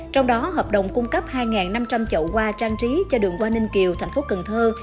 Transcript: trong đó hợp đồng cung cấp hai năm trăm linh chậu hoa trang trí cho đường hoa ninh kiều thành phố cần thơ